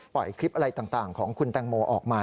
คลิปอะไรต่างของคุณแตงโมออกมา